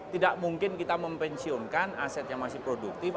tidak mungkin kita mempensiunkan aset yang masih produktif